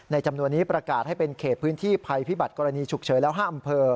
จำนวนนี้ประกาศให้เป็นเขตพื้นที่ภัยพิบัติกรณีฉุกเฉินแล้ว๕อำเภอ